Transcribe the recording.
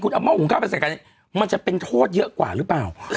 เอาห้อหุงข้าวไปใส่กันเนี่ยมันจะเป็นโทษเยอะกว่าหรือเปล่า